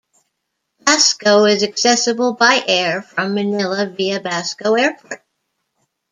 Basco is accessible by air from Manila via Basco Airport.